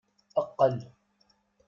Eqqel!